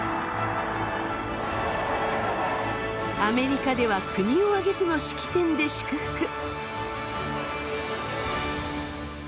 アメリカでは国を挙げての式典で祝福。